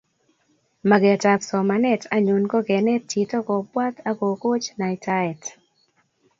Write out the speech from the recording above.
Magetab somanet anyun ko kenet chito kobwat akokoch naitaet